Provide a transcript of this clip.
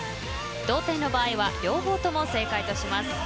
同点の場合は両方とも正解とします。